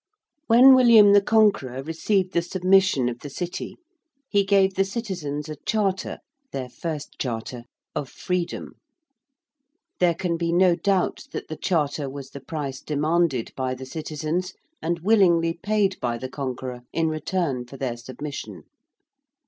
When William the Conqueror received the submission of the City he gave the citizens a Charter their first Charter of freedom. There can be no doubt that the Charter was the price demanded by the citizens and willingly paid by the Conqueror in return for their submission.